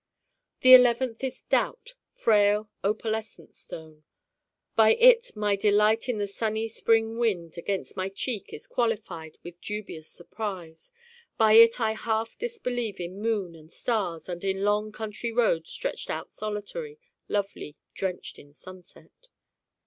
the eleventh is Doubt, frail opalescent stone by it my delight in the sunny Spring wind against my cheek is qualified with dubious surprise: by it I half disbelieve in moon and stars and in long country roads stretched out solitary, lovely, drenched in sunset.